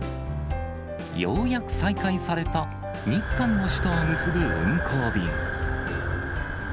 ようやく再開された日韓の首都を結ぶ運航便。